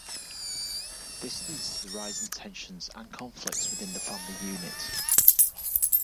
This leads to a rise in tensions and conflicts within the family unit.